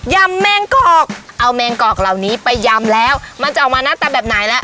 ำแมงกอกเอาแมงกอกเหล่านี้ไปยำแล้วมันจะออกมาหน้าตาแบบไหนแล้ว